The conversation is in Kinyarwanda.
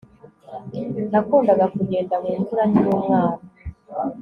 Nakundaga kugenda mu mvura nkiri umwana